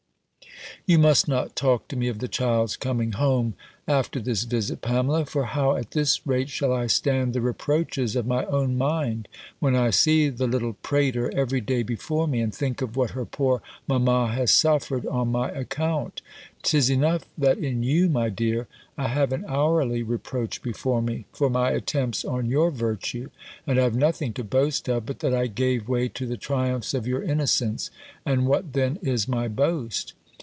"You must not talk to me of the child's coming home, after this visit, Pamela; for how, at this rate, shall I stand the reproaches of my own mind, when I see the little prater every day before me, and think of what her poor mamma has suffered on my account! 'Tis enough, that in you, my dear, I have an hourly reproach before me, for my attempts on your virtue; and I have nothing to boast of, but that I gave way to the triumphs of your innocence: and what then is my boast?"